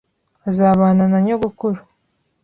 Azabana na nyogokuru.